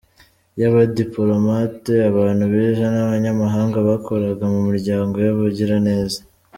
Y’abadipolomate, abantu bize n’abanyamahanga bakoraga mu miryango y’abagiraneza.